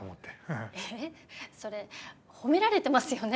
えっそれ褒められてますよね？